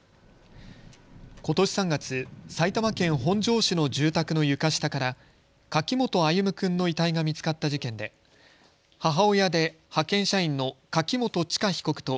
ことし３月、埼玉県本庄市の住宅の床下から柿本歩夢君の遺体が見つかった事件で母親で派遣社員の柿本知香被告と